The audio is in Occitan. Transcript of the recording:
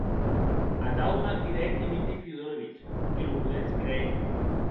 Atau m'ac didec Dmitri Fiódorovich, que lo podetz creir.